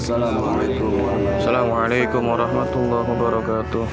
assalamualaikum warahmatullahi wabarakatuh